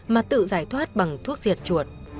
mà tự giải thoát bằng thuốc diệt chuột